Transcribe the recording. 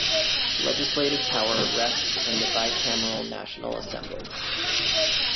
Legislative power rests in the bicameral National Assembly.